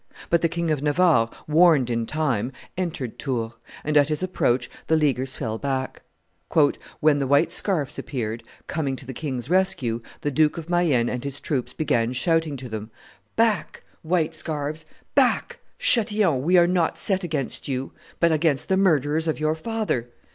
But the King of Navarre, warned in time, entered Tours; and at his approach the Leaguers fell back. "When the white scarfs appeared, coming to the king's rescue, the Duke of Mayenne and his troops began shouting to them, 'Back! white scarfs; back! Chatillon: we are not set against you, but against the murderers of your father!